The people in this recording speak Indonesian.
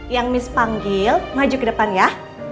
yang miss panggil maju ke depan ya